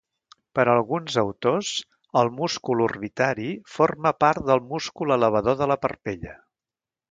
Per a alguns autors, el múscul orbitari forma part del múscul elevador de la parpella.